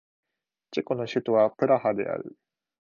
チェコの首都はプラハである